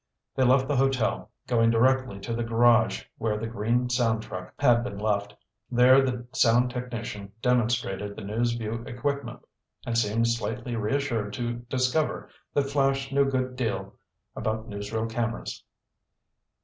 They left the hotel, going directly to the garage where the green sound truck had been left. There the sound technician demonstrated the News Vue equipment, and seemed slightly reassured to discover that Flash knew a good deal about newsreel cameras.